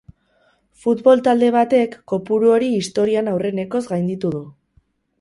Futbol talde batek kopuru hori historian aurrenekoz gainditu du.